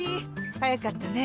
早かったね。